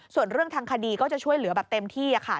ส่วนเรื่องทางคดีก็จะช่วยเหลือแบบเต็มที่ค่ะ